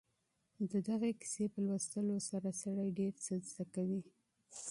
د دغې کیسې په لوستلو سره سړی ډېر څه زده کوي.